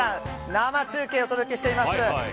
生中継でお届けしています。